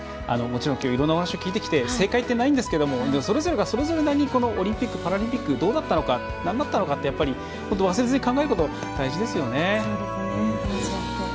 きょう、いろんなお話を聞いてきて正解ってないんですけどもそれぞれがそれぞれなりにオリンピック・パラリンピックどうだったのかなんだったのかって忘れずに考えること大事ですよね。